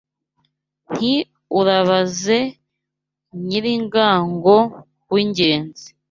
Nti Urabaze Nyilingango w,ingenzi